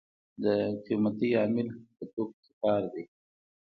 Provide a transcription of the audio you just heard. د قیمتۍ عامل په توکو کې کار دی.